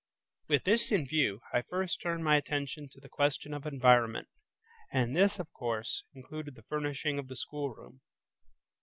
With this in view, I first turned my attention to the question of environment, and this, of course, included the furnishing of the schoolroom.